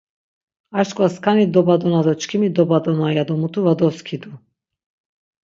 Arçkva skani dobadona do çkimi dobadona yado mutu va doskidu.